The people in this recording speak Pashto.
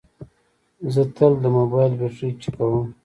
زه تل د موبایل بیټرۍ چیکوم.